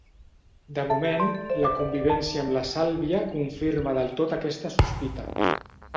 De moment, la convivència amb la Sàlvia confirma del tot aquesta sospita.